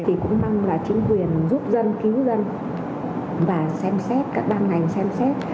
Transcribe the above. thì cũng mong là chính quyền giúp dân cứu dân và xem xét các ban ngành xem xét